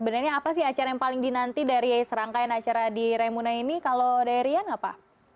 sebenarnya apa sih acara yang paling dinanti dari serangkaian acara di remuna ini kalau dari rian apa